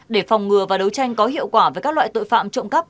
để phòng ngừa và đấu tranh có hiệu quả với các loại tội phạm trộm cắp